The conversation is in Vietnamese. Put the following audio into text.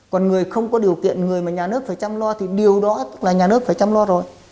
còn người không có điều kiện người mà nhà nước phải chăm lo thì điều đó là nhà nước phải chăm lo rồi